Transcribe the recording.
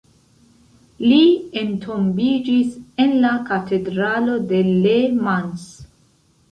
Li entombiĝis en la katedralo de Le Mans.